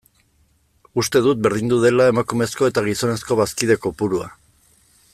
Uste dut berdindu dela emakumezko eta gizonezko bazkide kopurua.